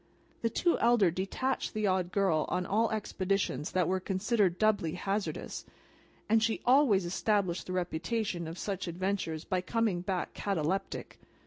The two elder detached the Odd Girl on all expeditions that were considered doubly hazardous, and she always established the reputation of such adventures by coming back cataleptic.